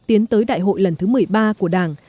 tiến tới đại hội lần thứ một mươi ba của đảng